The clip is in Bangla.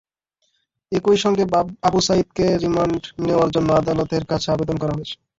একই সঙ্গে আবু সাঈদকে রিমান্ড নেওয়ার জন্য আদালতের কাছে আবেদন করা হয়েছে।